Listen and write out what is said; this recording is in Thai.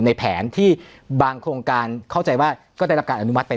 ในแผนที่บางโครงการเข้าใจว่าก็ได้รับการอนุมัติไป